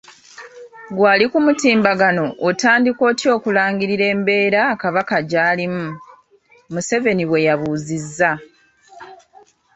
"Ggwe ali ku mutimbagano otandika otya okulangirira embeera Kabaka gy'alimu?" Museveni bwe yabuuzizzza.